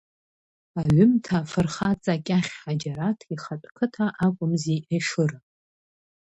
Аҩымҭа афырхаҵа Кьахь Ҳаџьараҭ ихатә қыҭа акәымзи Ешыра.